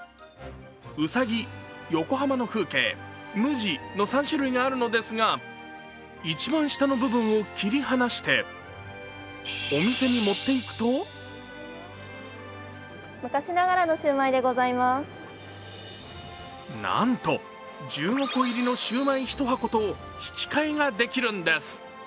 うさぎ、横浜の風景、無地の３種類があるのですが一番下の部分を切り離してお店に持っていくとなんと１５個入りのシウマイ１箱と引き換えができるんです。